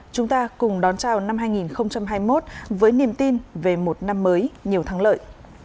chúng ta cùng đón chào năm hai nghìn hai mươi một với niềm tin về một năm mới nhiều thắng lợi